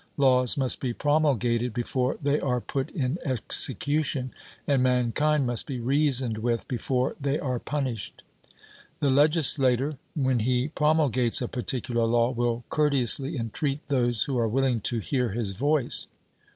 Laws must be promulgated before they are put in execution, and mankind must be reasoned with before they are punished. The legislator, when he promulgates a particular law, will courteously entreat those who are willing to hear his voice.